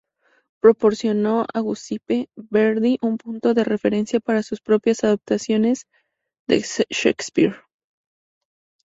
Proporcionó a Giuseppe Verdi un punto de referencia para sus propias adaptaciones de Shakespeare.